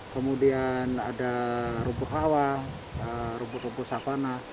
kemudian ada rumput hawa rumput rumput sapana